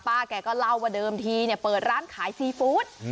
แกก็เล่าว่าเดิมทีเปิดร้านขายซีฟู้ด